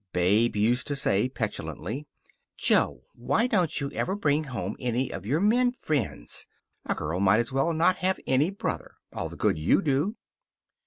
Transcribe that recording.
Babe used to say petulantly, "Jo, why don't you ever bring home any of your men friends? A girl might as well not have any brother, all the good you do."